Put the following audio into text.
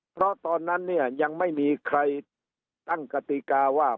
เพราะตอนนั้นเนี่ยยังไม่มีใครตั้งกติกาว่า